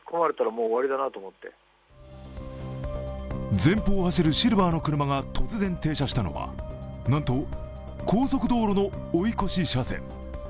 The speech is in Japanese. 前方を走るシルバーの車が突然停車したのは、なんと、高速道路の追い越し車線。